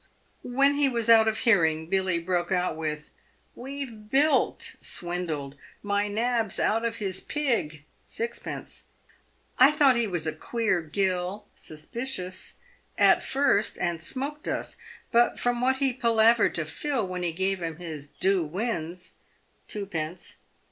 "When he was out of hearing, Billy broke out with " We've 'bilked' (swindled) my nabs out of his 'pig' (sixpence). I thought he was a ' queer gill' (suspicious) at first, and smoked us, from what he pala vered to Phil when he gave him his ' deux wins' (twopence)."